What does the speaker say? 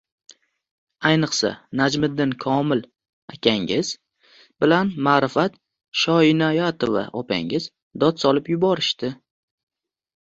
Ayniqsa, Najmiddin Komil akangiz bilan Ma’rifat Shoinoyatova opangiz dod solib yuborishdi